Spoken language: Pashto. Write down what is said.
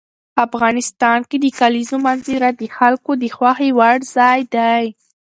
افغانستان کې د کلیزو منظره د خلکو د خوښې وړ ځای دی.